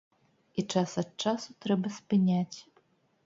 І час ад часу трэба спыняць.